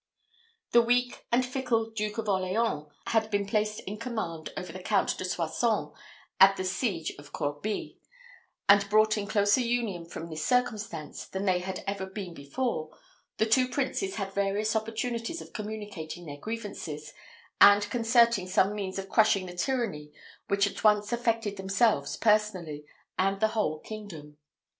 The weak and fickle Duke of Orleans had been placed in command over the Count de Soissons, at the siege of Corbie; and, brought in closer union from this circumstance than they had ever been before, the two princes had various opportunities of communicating their grievances, and concerting some means of crushing the tyranny which at once affected themselves personally, and the whole kingdom.